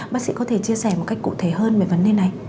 bác sĩ có thể chia sẻ một cách cụ thể hơn về vấn đề này